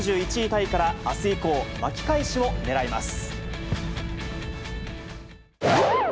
タイから、あす以降、巻き返しをねらいます。